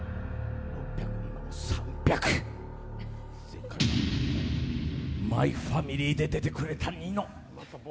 前回は「マイファミリー」で出てくれたニノ。